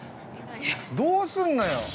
◆どうすんのよ。